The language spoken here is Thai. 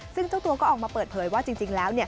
ซึ่งเจ้าตัวก็ออกมาเปิดเผยว่าจริงแล้ว